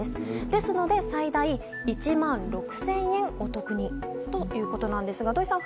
ですので、最大１万６０００円お得にということなんですが土井さん